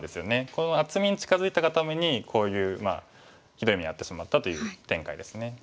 この厚みに近づいたがためにこういうひどい目に遭ってしまったという展開ですね。